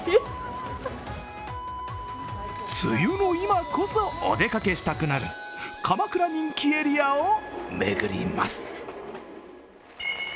梅雨の今こそお出かけしたくなる、鎌倉人気エリアを巡ります。